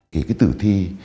cái tử thi